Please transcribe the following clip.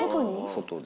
外で。